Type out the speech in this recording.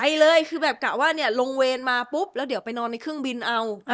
ไปเลยคือแบบกะว่าเนี่ยลงเวรมาปุ๊บแล้วเดี๋ยวไปนอนในเครื่องบินเอา